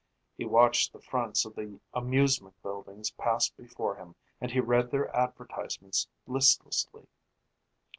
He watched the fronts of the amusement buildings pass before him and he read their advertisements listlessly.